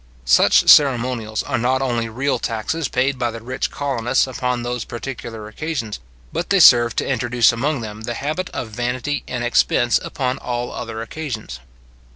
Such ceremonials are not only real taxes paid by the rich colonists upon those particular occasions, but they serve to introduce among them the habit of vanity and expense upon all other occasions.